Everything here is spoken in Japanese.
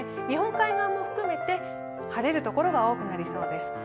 日本海側も含めて晴れる所が多くなりそうです。